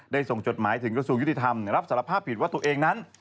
ส่งจดหมายถึงกระทรวงยุติธรรมรับสารภาพผิดว่าตัวเองนั้น